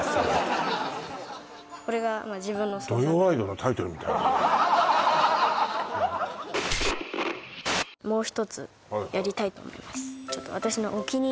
これがまあ自分のもう一つやりたいと思います